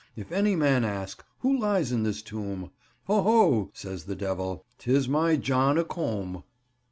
If any man ask, Who lies in this tomb? Ho! ho! says the Devil, 'tis my John a Combe."